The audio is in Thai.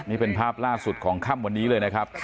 นี่เป็นภาพล่าสุดของค่ำวันนี้เลยนะครับ